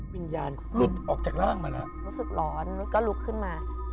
วิญญาณหลุดออกจากร่างมาแล้วรู้สึกร้อนก็ลุกขึ้นมา